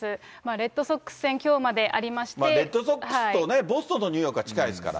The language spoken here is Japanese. レッドソックス戦、きょうまであレッドソックスと、ボストンとニューヨークは近いですから。